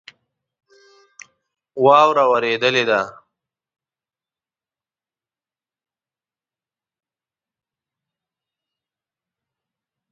واوره اوریدلی ده